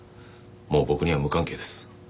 もう僕には無関係です。